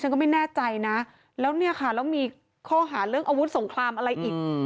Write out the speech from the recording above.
ก็ไม่แน่ใจนะแล้วเนี่ยค่ะแล้วมีข้อหาเรื่องอาวุธสงครามอะไรอีก